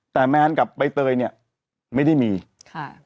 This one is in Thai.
แต่แมนกับใบเตยเนี่ยไม่ได้มีค่ะ